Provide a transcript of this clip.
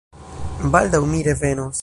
Baldaŭ mi revenos.